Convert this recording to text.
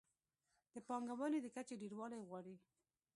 د پانګونې د کچې ډېروالی غواړي.